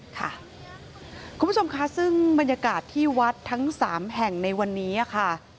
คุณผู้ชมค่ะซึ่งบรรยากาศที่วัดทั้ง๓แห่งในวันนี้ค่ะ